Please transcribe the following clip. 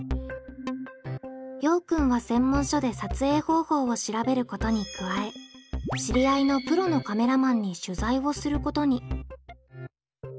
ようくんは専門書で撮影方法を調べることに加え知り合いのプロのカメラマンに取材をすることに。